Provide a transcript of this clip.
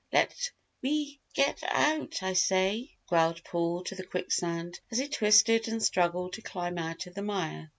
Let me get out, I say!" growled Paul to the quicksand, as he twisted and struggled to climb out of the mire.